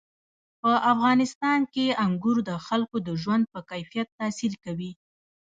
په افغانستان کې انګور د خلکو د ژوند په کیفیت تاثیر کوي.